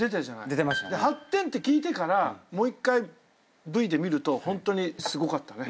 ８点って聞いてからもう一回Ｖで見るとホントにすごかったね。